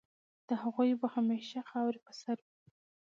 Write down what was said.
د هغوی به همېشه خاوري په سر وي